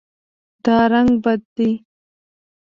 دا رنګ بد دی